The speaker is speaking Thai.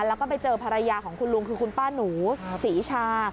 แล้วก็ไปเจอภรรยาของคุณลุงคือคุณป้าหนูศรีชา